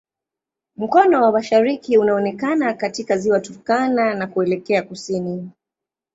Mkono wa mashariki unaonekana katika Ziwa Turkana na kuelekea kusini.